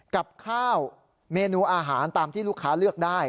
กับข้าวเมนูอาหารตามที่ลูกค้าเลือกได้